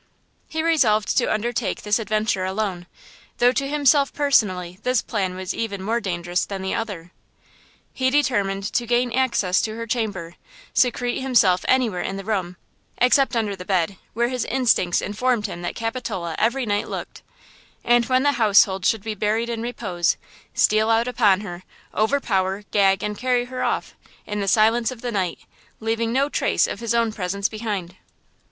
He resolved to undertake this adventure alone, though to himself personally this plan was even more dangerous than the other. He determined to gain access to her chamber, secrete himself anywhere in the room (except under the bed, where his instincts informed him that Capitola every night looked), and when the household should be buried in repose, steal out upon her, overpower, gag and carry her off, in the silence of the night, leaving no trace of his own presence behind.